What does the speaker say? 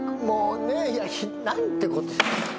もうね何てこと。